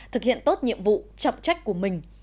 thực hiện tốt nhiệm vụ chọc trách của mình